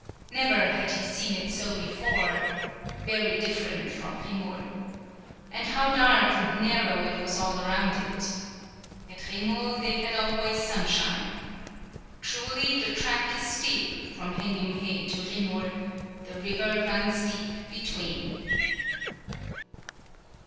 Never had he seen it so before; very different from Rimul. And how dark and narrow it was all around it! At Rimul they had always sunshine. Truly, the track is steep from Henjumhei to Rimul; the river runs deep between.